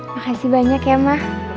makasih banyak ya ma